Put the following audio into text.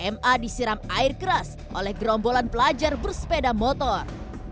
ma disiram air keras oleh gerombolan pelajar bersepeda motor